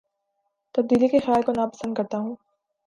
تبدیلی کے خیال کو نا پسند کرتا ہوں